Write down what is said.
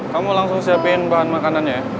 kamu langsung siapin bahan makanannya